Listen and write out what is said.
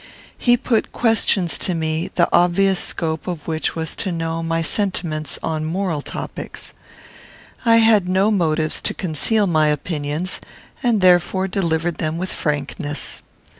He put questions to me, the obvious scope of which was to know my sentiments on moral topics. I had no motives to conceal my opinions, and therefore delivered them with frankness.